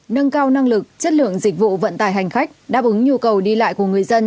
nâng cao năng lực chất lượng dịch vụ vận tải hành khách đáp ứng nhu cầu đi lại của người dân